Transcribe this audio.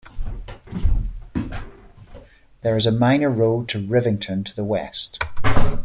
There is a minor road to Rivington to the west.